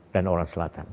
dan orang selatan